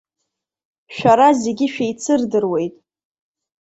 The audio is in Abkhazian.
Шәара зегьы шәеицырдыруеит.